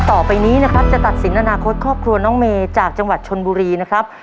ต่อไปนี้นะครับจะตัดสินอนาคตครอบครัวน้องเมย์จากจังหวัดชนบุรีนะครับ